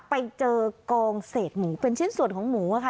ไปเจอกองเศษหมูเป็นชิ้นส่วนของหมูค่ะ